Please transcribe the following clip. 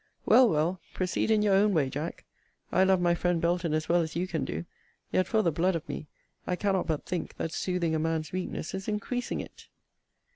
Well, well, proceed in your own way, Jack. I love my friend Belton as well as you can do; yet for the blood of me, I cannot but think, that soothing a man's weakness is increasing it.